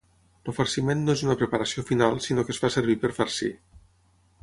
El farciment no és una preparació final sinó que es fa servir per farcir.